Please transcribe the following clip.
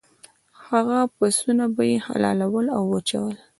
هغه پسونه به یې حلالول او وچول.